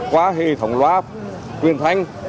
qua hệ thống loa truyền thanh